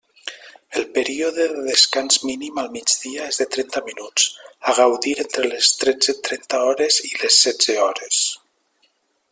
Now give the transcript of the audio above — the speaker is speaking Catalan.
El període de descans mínim al migdia és de trenta minuts, a gaudir entre les tretze trenta hores i les setze hores.